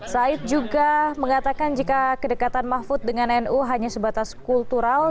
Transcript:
said juga mengatakan jika kedekatan mahfud dengan nu hanya sebatas kultural